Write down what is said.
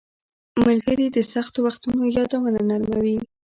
• ملګري د سختو وختونو یادونه نرموي.